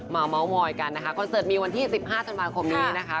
เมาส์มอยกันนะคะคอนเสิร์ตมีวันที่๑๕ธันวาคมนี้นะคะ